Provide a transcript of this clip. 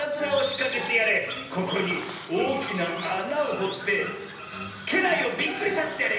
ここにおおきなあなをほってけらいをびっくりさせてやれ！